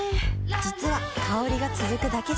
実は香りが続くだけじゃない